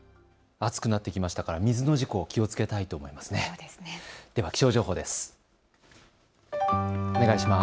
暑くなってきましたから水の事故、気をつけたいと思います。